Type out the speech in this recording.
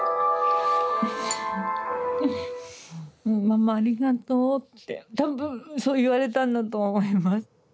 「ママありがとう」って多分そう言われたんだと思います。